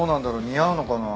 似合うのかな？